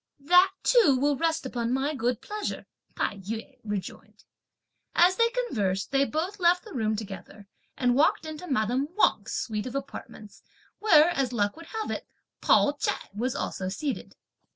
"That too will rest upon my good pleasure," Tai yü rejoined. As they conversed, they both left the room together and walked into madame Wang's suite of apartments, where, as luck would have it, Pao ch'ai was also seated.